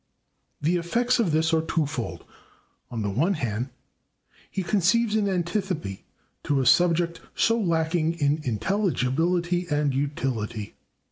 The effects of this are two fold. On the one hand he conceives an antipathy to a subject so lacking in intelligibility and utility.